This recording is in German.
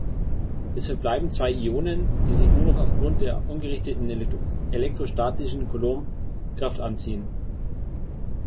Es verbleiben zwei Ionen, die sich nur noch aufgrund der ungerichteten elektrostatischen Coulomb-Kraft anziehen.